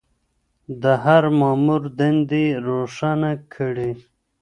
د هر مامور دندې يې روښانه کړې.